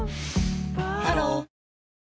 ハロー